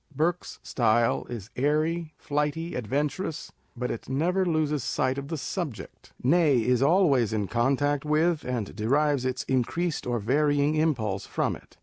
Burke's style is airy, flighty, adventurous, but it never loses sight of the subject ; nay, is always in On the Prose Style of Poets. 9 contact with, and derives its increased or varying impulse from it.